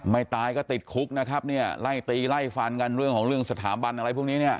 ตายก็ติดคุกนะครับเนี่ยไล่ตีไล่ฟันกันเรื่องของเรื่องสถาบันอะไรพวกนี้เนี่ย